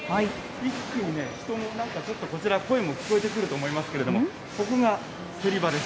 一気に人もなんかちょっと、こちら、声も聞こえてくると思いますけど、ここが競り場です。